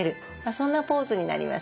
そんなポーズになります。